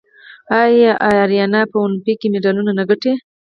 آیا ایران په المپیک کې مډالونه نه ګټي؟